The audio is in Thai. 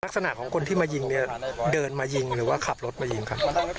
ลักษณะของคนที่มายิงเนี่ยเดินมายิงหรือว่าขับรถมายิงครับ